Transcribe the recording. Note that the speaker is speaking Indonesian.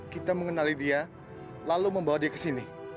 kita mengenali dia lalu membawa dia ke sini